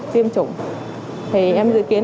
thì em dự kiến